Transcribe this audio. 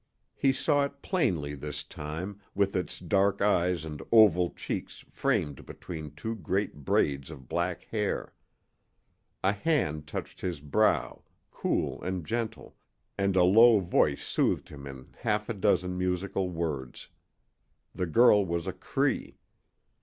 He saw it plainly this time, with its dark eyes and oval cheeks framed between two great braids of black hair. A hand touched his brow, cool and gentle, and a low voice soothed him in half a dozen musical words. The girl was a Cree.